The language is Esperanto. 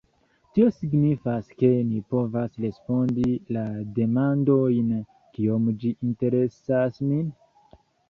Tio signifas, ke ni povas respondi la demandojn: "Kiom ĝi interesas min?